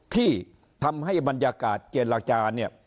ที่ทำให้บรรยากาศเจรจาเนี่ย